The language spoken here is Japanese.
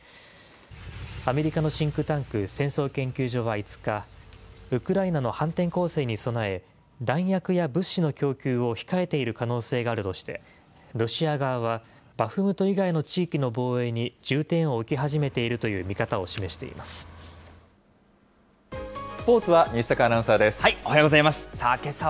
アメリカのシンクタンク、戦争研究所は５日、ウクライナの反転攻勢に備え、弾薬や物資の供給を控えている可能性があるとして、ロシア側はバフムト以外の地域の防衛に、重点を置き始めているといスポーツは西阪アナウンサーおはようございます。